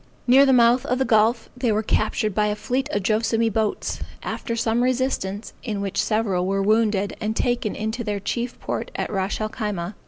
Near the mouth of the gulf, they were captured by a fleet of Joassamee boats, after some resistance, in which several were wounded and taken into their chief port at Ras el Khyma.